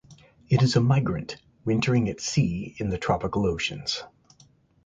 It is a migrant, wintering at sea in the tropical oceans.